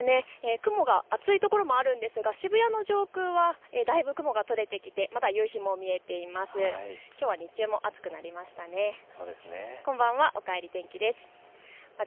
雲が厚いところもあるんですが渋谷の上空はだいぶ雲が取れてきてまだ夕日も見えています。